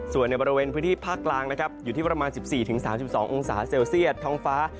ส่วนในบริเวณพื้นที่ภาคกลางนะครับอยู่ที่ประมาณ๑๔๓๒องศาเซลเซียตท้องฟ้า